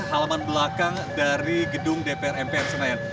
halaman belakang dari gedung dpr mpr senayan